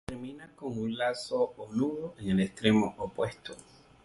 Terminan con un lazo o nudo en el extremo opuesto.